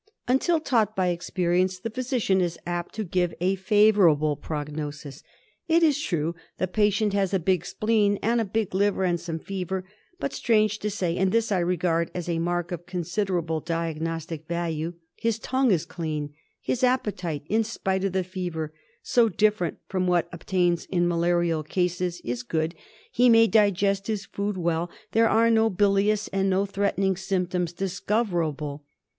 Until taught by experience, the physician is apt to give a favourable prognosis. It is true the patient has a big spleen and a big liver and some fever ; but, strange to say, and this I regard as a mark of considerable diagnos tic value, his tongue is clean, his appetite in spite of the fever — so different from what obtains in malarial cases — is good, he may digest his food well, there are no bilious and no threatening symptoms discoverable.